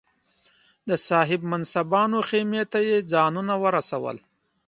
د صاحب منصبانو خېمې ته یې ځانونه ورسول.